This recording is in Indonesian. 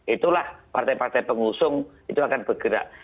itulah partai partai pengusung itu akan bergerak